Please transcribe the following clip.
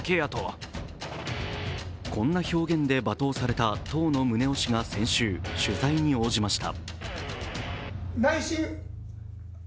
こんな表現で罵倒された当の宗男氏が先週、取材に応じました。